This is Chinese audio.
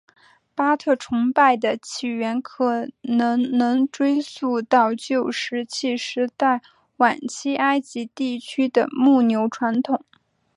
巴特崇拜的起源可能能追溯到旧石器时代晚期埃及地区的牧牛传统。